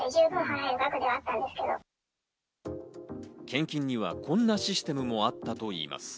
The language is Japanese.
献金にはこんなシステムもあったといいます。